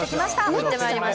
行ってまいりました。